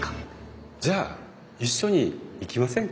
じゃあ一緒に行きませんか。